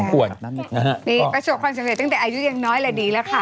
ประสบความสำเร็จตั้งแต่อายุยังน้อยเลยดีแล้วค่ะ